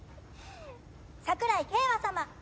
桜井景和様。